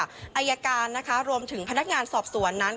อายการนะคะรวมถึงพนักงานสอบสวนนั้น